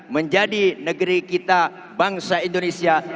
menjadi negeri kita bangsa indonesia